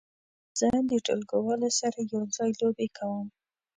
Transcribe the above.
زه د ټولګیوالو سره یو ځای لوبې کوم.